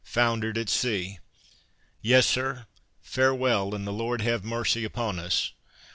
foundered at sea!" "Yes, Sir, farewell, and the Lord have mercy upon us!"